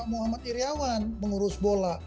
muhammad iryawan mengurus bola